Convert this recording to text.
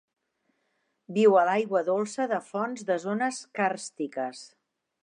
Viu a l'aigua dolça de fonts de zones càrstiques.